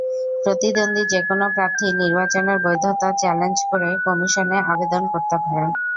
প্রতিদ্বন্দ্বী যেকোনো প্রার্থী নির্বাচনের বৈধতা চ্যালেঞ্জ করে কমিশনে আবেদন করতে পারবেন।